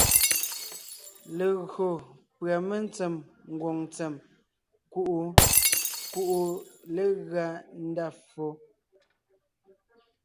Legÿo pʉ̀a mentsém ngwòŋ ntsèm kuʼu kuʼu legʉa ndá ffo.